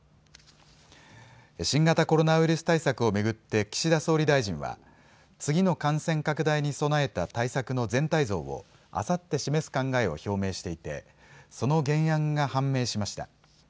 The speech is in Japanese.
新型コロナウイルス対策を巡って岸田総理大臣は次の感染拡大に備えた対策の全体像を、あさって示す考えを表明していてその原案が判明しました。